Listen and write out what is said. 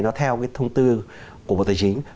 nó theo thông tư của bộ tài chính